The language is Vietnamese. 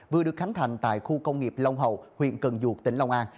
vừa được khánh thành tại khu công nghiệp long hậu huyện cần duộc tỉnh long an